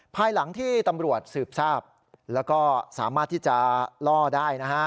ภายหลังที่ตำรวจสืบทราบแล้วก็สามารถที่จะล่อได้นะฮะ